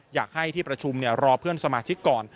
อยากให้ที่ประชุมรอเพื่อนสมาชิกก่อน